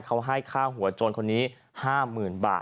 เขาให้ค่าหัวโจรคนนี้๕๐๐๐บาท